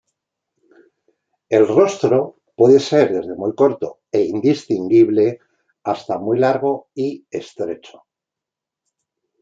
El rostro puede ser desde muy corto e indistinguible hasta muy largo y estrecho.